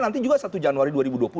nanti juga satu januari dua ribu dua puluh